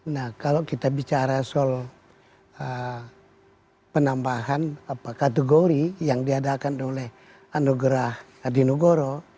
nah kalau kita bicara soal penambahan kategori yang diadakan oleh anugrah hardinugoro